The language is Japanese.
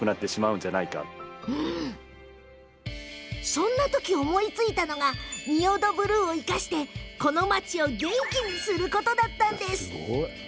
そんな時、思いついたのが仁淀ブルーを生かしてこの町を元気にすること。